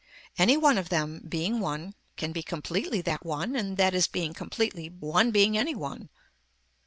Any one of them being one can be completely that one and that is being completely one being any one.